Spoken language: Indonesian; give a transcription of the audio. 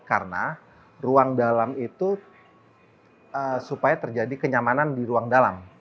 karena ruang dalam itu supaya terjadi kenyamanan di ruang dalam